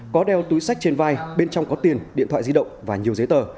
có đeo túi sách trên vai bên trong có tiền điện thoại di động và nhiều giấy tờ